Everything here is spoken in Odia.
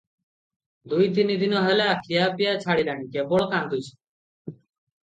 ଦୁଇ ତିନି ଦିନ ହେଲା ଖିଆପିଆ ଛାଡିଲାଣି, କେବଳ କାନ୍ଦୁଛି ।